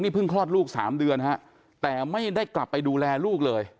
เพิ่งคลอดลูก๓เดือนฮะแต่ไม่ได้กลับไปดูแลลูกเลย